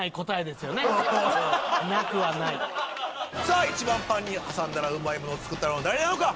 さあ一番パンに挟んだらうまいもの作ったのは誰なのか？